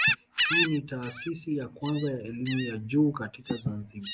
Hii ni taasisi ya kwanza ya elimu ya juu katika Zanzibar.